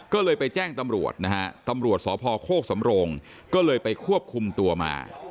ก็เลยไปแจ้งตำรวจนะฮะตำรวจสพโคกสำโรงก็เลยไปควบคุมตัวมา